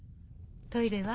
トイレは？